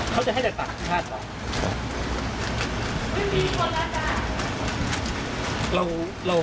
เขาจะให้จากต่างชาติเหรอ